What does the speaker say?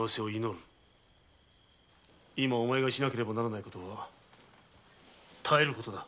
今お前がしなければならぬことは耐えることだ。